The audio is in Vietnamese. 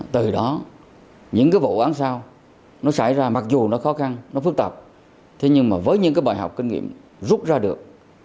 từ đó những cái vụ án sau nó xảy ra mặc dù nó khó khăn nó phức tạp thế nhưng mà với những cái bài học kinh nghiệm rút ra được